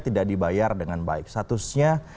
tidak dibayar dengan baik statusnya